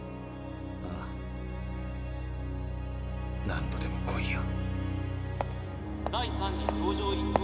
何度でも来いよ。